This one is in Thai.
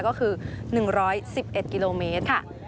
ก็คือ๑๑๑กิโลเมตรค่ะ